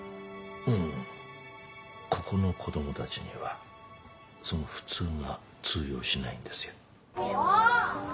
うんここの子供たちにはその普通が通用しないんですよ。